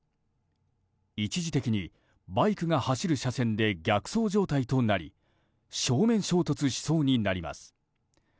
一時的にバイクが走る車線で逆走状態となり正面衝突しそうになります。